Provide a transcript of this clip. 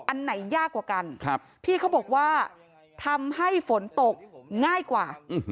อันไหนยากกว่ากันพี่เขาบอกว่าทำให้ฝนตกง่ายกว่า